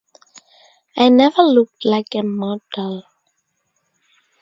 I never looked like a model.